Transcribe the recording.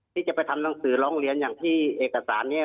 ที่จะไปทำหนังสือร้องเรียนอย่างที่เอกสารนี้